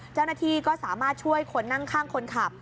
เจ้าหน้าที่ก็สามารถช่วยคนนั่งข้างคนขับ